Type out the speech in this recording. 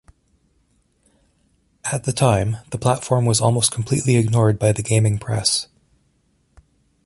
At the time, the platform was almost completely ignored by the gaming press.